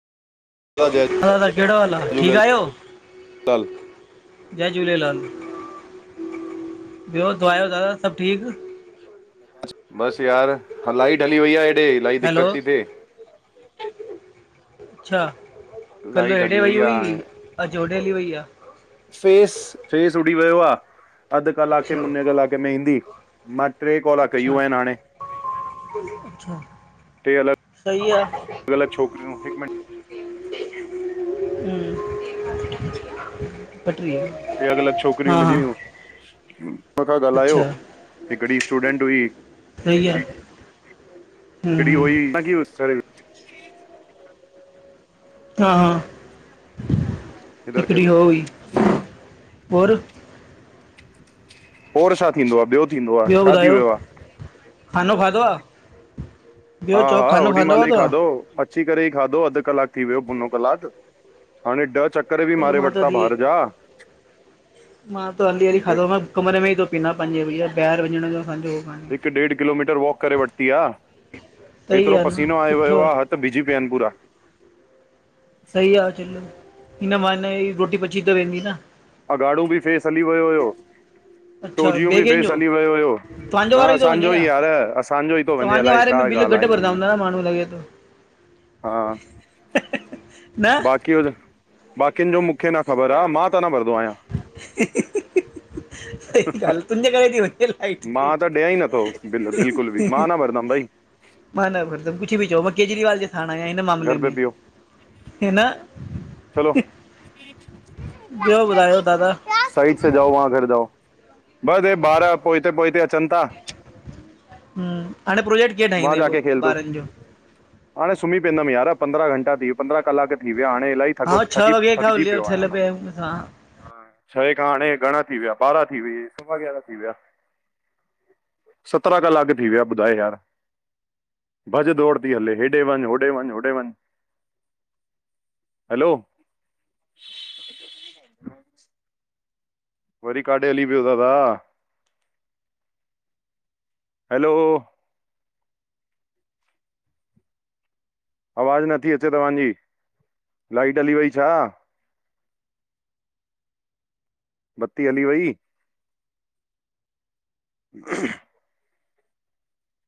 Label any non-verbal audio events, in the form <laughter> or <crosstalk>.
दादा कहिड़ो हालु आहे? ठीकु झूलेलाल आहियो, जय झूलेलाल। ॿियो बुदयो दादा सभु ठीक। बस यार ह लाईट हली वई आहे हे। <unintelligible> इलाही हैलो दिक़त थी थिए। अच्छा, कल्ह लाइट हेॾे हली वई हुई, आहे अॼु होॾे हली वई आहे। फेस, फेस उॾी वियो आहे। अधु कलाके अच्छा मुने कलाके में ईंदी, मां ट्रे कॉल अच्छा कयूं आहिनि हाणे। टे अलॻि <inaudible> सही आहे। अलॻि अलॻि छोकिरियूं हिकु मिंट <unintelligible> ट्रे अलग अलग छोकिरियूं हा हा मिली हुन्न <unintelligible> ॻाल्हायो अच्छा हिकडी स्टूडेंट हुई। सही आहे हम्म, हिकड़ी हम्म, <unintelligible> हा हा इधर हिकिड़ी खेलो। हो हुई और और छा थींदो आहे, ॿियो थींदो आहे, ॿियो छा थी ॿुधायो वियो आहे खानो खाधो आहे हा ॿियो चओ हा, खानो होॾीमहल आहे ई तव्हां खाधो अची करे ई खाधो, अधु क्लाक थी वियो मुनो क्लाकु, हाणे ॾह चक करे बि कल्ह मारे मां त वरिता हली बाहर जा मां त हली हली डे- खाधो कमरे में ई थो पीना पंहिंजे भैया ॿाहिरि वञण जो असांजो हो कान्हे हिक ॾेढ किलोमीटर वॉक करे वरिती आहे सही हेतिरो आ न पसीनो आयो सुठो वियो आहे हथ बिजी पिया आहिनि पूरा। सही आहे चलो हिन बहाने ही रोटी पची त वेंदी न। अघाड़ो बि फेस हली वियो हुयो। अच्छा टो ॾियूं ॿिए बि फेस कंहिंजो हली वियो हुयो, तव्हांजो न वारो थो वञे असांजो ई या यार, असांजो ई थो वञे तव्हांजे अलाए वारे छा में आहे। बिल घट हिननि भरदां में हूंदा न माण्हू लॻे थो हा, न बाक़ी उ बाकियुनि जो मूंखे न ख़बर आहे, मां त न बर <unintelligible> ॻाल्ह तुंहिंजे करे थी वजे लाइट मां त ॾियां ई नथो बिल बिल्कुलु बि मां <unintelligible> न भरंदमि भई मां न, <unintelligible> कुछ बि चओ मां केजरीवाल जे साण आहियां हिन मामले घर पे में पियो हिन चलो ॿियो ॿुधायो दादा साइड से जाओ, वहां घर जाओ बस हे ॿार पोइते पोइते अचनि था हाणे प्रोजेक्ट कीअं वहा ठाहींदे पोइ जाके खेल तू ॿारनि जो हाणे सुमही पईंदम यार, पंद्रहा घंटा थी पंद्रहा क्लाक थी विया हाणे इलाही थ हा थ छह वॻे खां थकजी उलियो पियो आहियां थियल मां पिया आहियूं असां छहे खां हाणे घणा थी विया ॿारहां थी वई सवा यारह थी विया सतराह क्लाक थी विया ॿुधाए यार भॼ दौड़ थी हले, हेॾे वञ, होॾे वञ होॾे वञ हैलो वरी काॾे हली वियो दादा हैलो आवाज नथी अचे तव्हांजी, लाइट हली वई छा <inaudible> बत्ती हली वई <unintelligible>